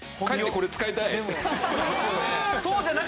これ使いたい。